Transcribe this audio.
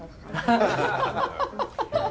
アハハハハ。